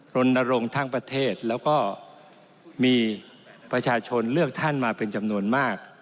รณรงค์ทั้งประเทศแล้วก็มีประชาชนเลือกท่านมาเป็นจำนวนมาก